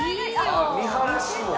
あっ見晴らしも。